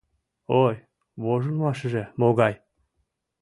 Ой, вожылмашыже могай!..